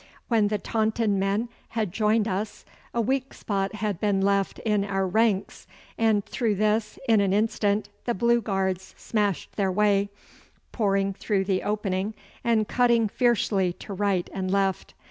When the Taunton men had joined us a weak spot had been left in our ranks, and through this in an instant the Blue Guards smashed their way, pouring through the opening, and cutting fiercely to right and left.